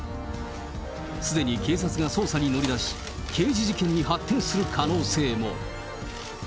すでに警察が捜査に乗り出し、刑事事件に発展する可能性も。